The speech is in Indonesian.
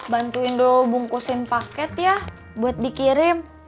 bantuin dulu bungkusin paket ya buat dikirim